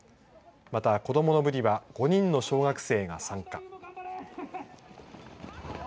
また、子どもの部には５人の小学生が参加。